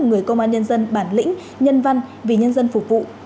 người công an nhân dân bản lĩnh nhân văn vì nhân dân phục vụ